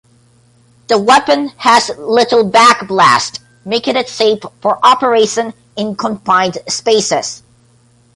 The weapon has little backblast, making it safe for operation in confined spaces.